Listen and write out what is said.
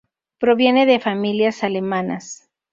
Proviene de familias alemanas.